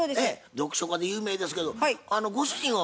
読書家で有名ですけどご主人は